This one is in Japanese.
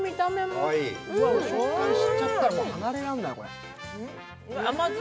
この食感を知っちゃったら離れられないよ。